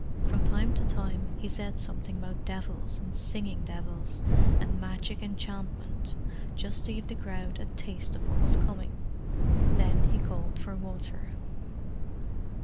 From time to time he said something about devils and singing devils, and magic enchantment, just to give the crowd a taste of what was coming. Then he called for water.